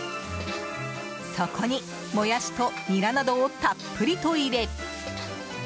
そこにモヤシとニラなどをたっぷりと入れ。